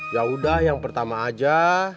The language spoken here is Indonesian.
yaudah yang pertama aja